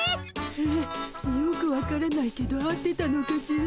えよく分からないけど合ってたのかしら？